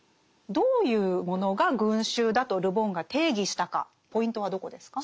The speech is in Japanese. どういうものが「群衆」だとル・ボンが定義したかポイントはどこですか？